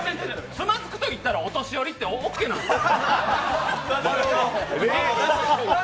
つまずくと言ったらお年寄りってオッケーなんですか？